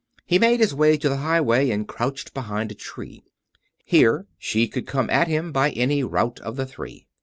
He made his way to the highway and crouched behind a tree. Here she could come at him by any route of the three.